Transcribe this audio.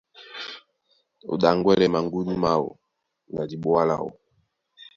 Ó ɗaŋgwɛlɛ maŋgúndú máō na diɓoa láō.